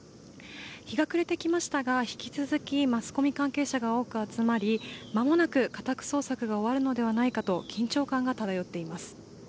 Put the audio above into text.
日が暮れてきましたが、引き続きマスコミ関係者が多く集まり、間もなく家宅捜索が終わるのではないかと緊張感が漂っています。